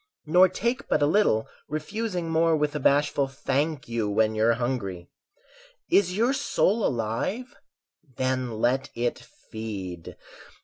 Nor take but a little, refusing more With a bashful "Thank you", when you're hungry. Is your soul alive? Then let it feed!